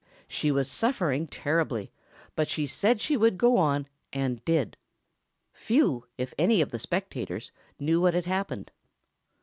She was suffering terribly, but she said she would go on, and did. Few, if any, of the spectators knew what had happened.